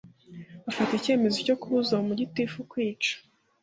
bafata icyemezo cyo kubuza uwo mu gitifu kwica